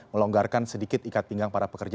melonggarkan sedikit ikat pinggang para pekerja